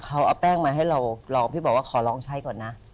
เขาเอาแป้งมาให้เราลองพี่บอกว่าขอลองใช้ก่อนนะ